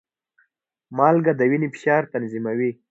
مالګه د وینې فشار تنظیموي.